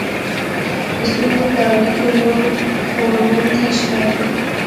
د سترګو په اړیکه نور خوړونکي ښکاري.